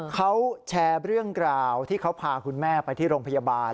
เขาแชร์เรื่องกล่าวที่เขาพาคุณแม่ไปที่โรงพยาบาล